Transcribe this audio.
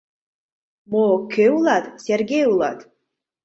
— Мо, кӧ улат, Сергей улат!